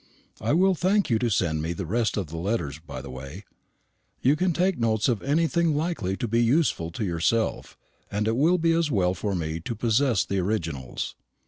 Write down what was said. I will thank you to send me the rest of the letters, by the way. You can take notes of anything likely to be useful to yourself, and it will be as well for me to possess the originals.